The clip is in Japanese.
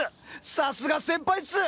さすが先輩っす！